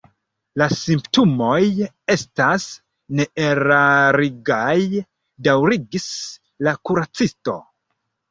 La simptomoj estas neerarigaj, daŭrigis la kuracisto.